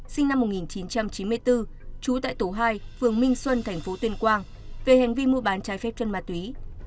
sinh năm một nghìn chín trăm chín mươi bốn trú tại tổ hai phường minh xuân tp tuyên quang về hành vi mua bán trái phép chân ma túy